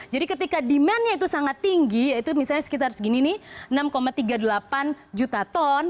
jadi ketika demandnya itu sangat tinggi itu misalnya sekitar segini nih enam tiga puluh delapan juta ton